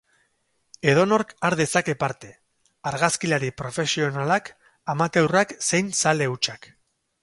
Edonork har dezake parte, argazkilari profesionalak, amateurrak zein zale hutsak.